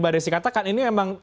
mbak desi katakan ini memang